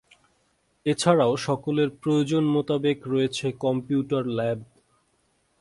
এছাড়াও সকলের প্রয়োজন মোতাবেক রয়েছে কম্পিউটার ল্যাব।